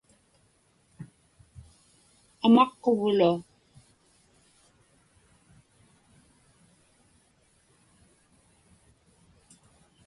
amaqquglu